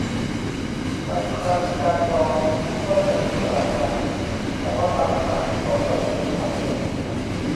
บางครั้งการรอก็จะดูฉลาดกว่า แต่ว่าบางครั้งก็ควรลงมือทำเลย